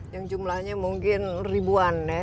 yang jumlahnya mungkin ribuan ya